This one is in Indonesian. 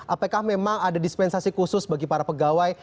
apakah memang ada dispensasi khusus bagi para pegawai